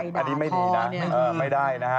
อันนี้ไม่ดีนะไม่ได้นะฮะ